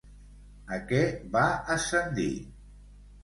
A què va ascendir?